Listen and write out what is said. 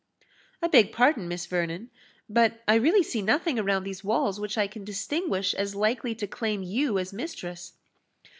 "I beg pardon, Miss Vernon, but I really see nothing around these walls which I can distinguish as likely to claim you as mistress."